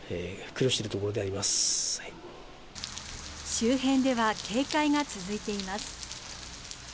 周辺では警戒が続いています。